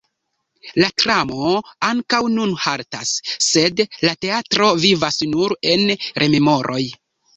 La tramo ankaŭ nun haltas, sed la teatro vivas nur en rememoroj.